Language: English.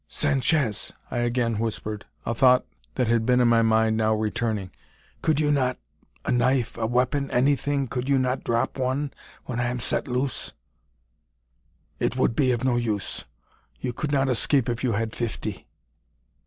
"Sanchez!" I again whispered a thought that had been in my mind now returning "could you not a knife, a weapon anything could you not drop one when I am set loose?" "It would be of no use. You could not escape if you had fifty."